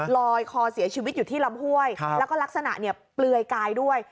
ลอยคอเสียชีวิตอยู่ที่ลำห้วยแล้วก็ลักษณะเนี่ยเปลือยกายด้วย